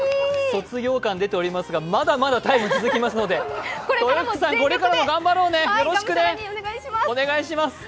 卒業感出ておりますがまだまだ「ＴＩＭＥ，」続きますのでこれからも頑張ろうね、よろしくね。